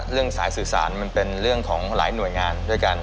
สายสื่อสารมันเป็นเรื่องของหลายหน่วยงานด้วยกัน